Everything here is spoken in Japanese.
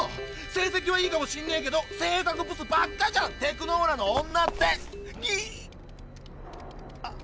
成績はいいかもしんねえけど性格ブスばっかじゃんテクノーラの女って。